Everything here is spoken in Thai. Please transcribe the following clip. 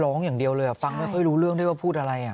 ร้องอย่างเดียวเลยฟังไม่ค่อยรู้เรื่องด้วยว่าพูดอะไร